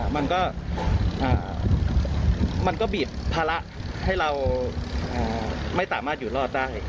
มันก็บีบภาระให้เราไม่สามารถอยู่รอดได้